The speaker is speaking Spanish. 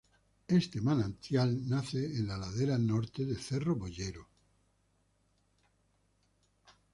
Este manantial nace en la ladera norte de Cerro Boyero.